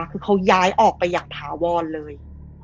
คือเขาย้ายออกไปอย่างถาวรเลย